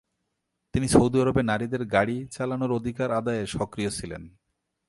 তিনি সৌদি আরবে নারীদের গাড়ি চালানোর অধিকার আদায়ে সক্রীয় ছিলেন।